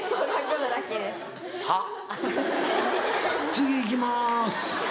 次行きます。